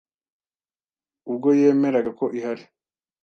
ubwo yemeraga ko ihari